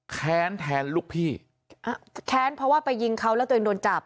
แค้นแทนลูกพี่แค้นเพราะว่าไปยิงเขาแล้วตัวเองโดนจับ